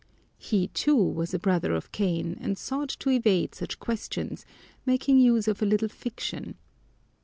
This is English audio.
He, too, was a brother of Cain, and sought to evade such questions, making use of a little fiction.